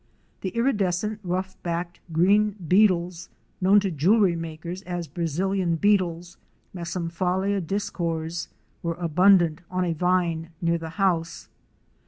*' The iridescent rough backed green beetles, known to jewelry makers as Brazilian Beetles (Mesomphalia discors), were abundant on a vine near the house.